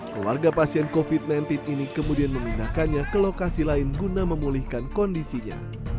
keluarga pasien covid sembilan belas ini kemudian memindahkannya ke lokasi lain guna memulihkan kondisinya